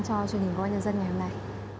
cho truyền hình của bác nhân dân ngày hôm nay